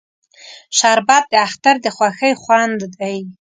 شربت د اختر د خوښۍ خوند دی